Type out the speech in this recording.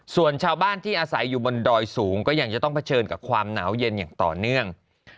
ส่วนชาวบ้านที่อาศัยอยู่บนดอยสูงก็ยังจะต้องเผชิญกับความหนาวเย็นอย่างต่อเนื่อง